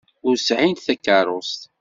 Ur sɛint takeṛṛust.